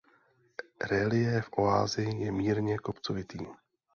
Reliéf oázy je mírně kopcovitý.